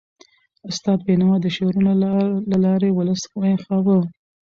استاد بینوا د شعرونو له لارې ولس ویښاوه.